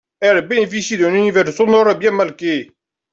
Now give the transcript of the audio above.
Elles bénéficient d’un univers sonore bien marqué.